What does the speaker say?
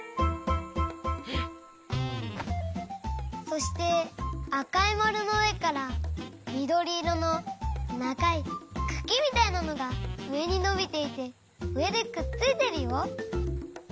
そしてあかいまるのうえからみどりいろのながいくきみたいなのがうえにのびていてうえでくっついてるよ。